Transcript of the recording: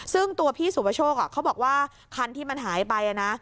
ซึ่งตัวพี่สุประโชคเขาบอกว่าคันที่มันหายไปนะ